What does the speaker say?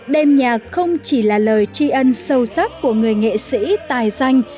đêm nhạc không chỉ là lời tri ân sâu sắc của người nghệ sĩ tài danh